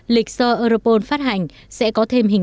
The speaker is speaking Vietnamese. lịch do europol phát hành sẽ có thêm hình ảnh